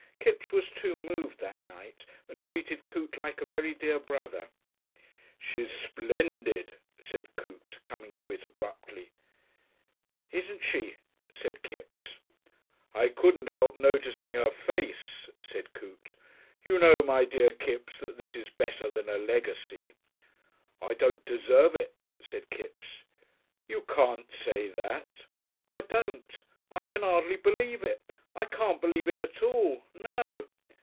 Kipps was too moved that night, and treated Coote like a very dear brother. "She's splendid," said Coote, coming to it abruptly. "Isn't she?" said Kipps. "I couldn't help noticing her face," said Coote.... "You know, my dear Kipps, that this is better than a legacy." "I don't deserve it," said Kipps. "You can't say that." "I don't. I can't 'ardly believe it. I can't believe it at all. No!"